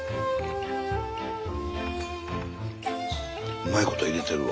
うまいこといれてるわ。